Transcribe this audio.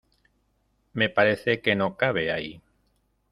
Me parece que no cabe ahí.